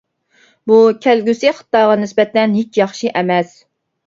بۇ كەلگۈسى خىتايغا نىسبەتەن ھېچ ياخشى ئەمەس.